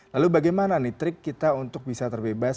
lalu bagaimana nih trik kita untuk bisa terbebas